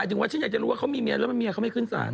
ฉันอยากจะรู้ว่าเขามีเมียแล้วเมียไม่ขึ้นสาร